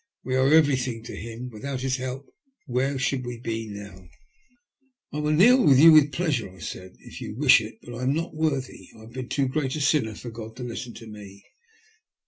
We owe everything to Him. Without His help where should we be now ?"" I will kneel with you with pleasure," I said, " if you wish it, but I am not worthy. I have been too great a sinner for God to listen to me."